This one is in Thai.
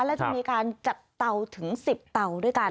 และจะมีการจัดเตาถึง๑๐เตาด้วยกัน